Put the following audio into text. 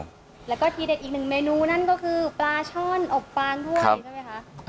แล้วก็ทีเด็ดอีกหนึ่งเมนูนั่นก็คือปลาช่อนอบปางถ้วยใช่ไหมคะ